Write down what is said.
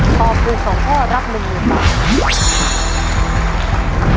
ตอบถูกสองข้อรับหนึ่งหนึ่งบาท